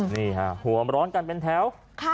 นี่ฮะหัวมร้อนกันเป็นแถว